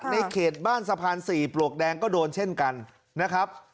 ในเขตบ้านสะพาน๔ปลวกแดงก็โดนเช่นกันนะครับ